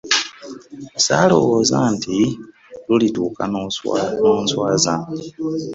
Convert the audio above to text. Ssaalowooza nti lulituuka n'onswaza.